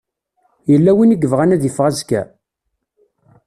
Yella win i yebɣan ad iffeɣ azekka?